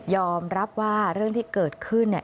อมรับว่าเรื่องที่เกิดขึ้นเนี่ย